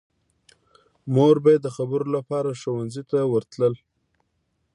مور به یې د خبرو لپاره ښوونځي ته ورتله